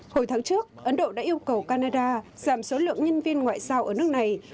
hồi tháng trước ấn độ đã yêu cầu canada giảm số lượng nhân viên ngoại giao ở nước này